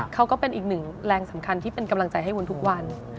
ก็เป็นอีกหนึ่งแรงสำคัญที่เป็นกำลังใจให้วุ้นทุกวัน